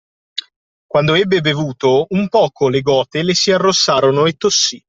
Quando ebbe bevuto, un poco le gote le si arrossarono e tossì.